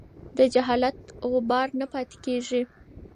د جهالت غبار نه پاتې کېږي.